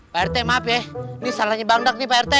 prt maaf ya ini salahnya bangdak nih prt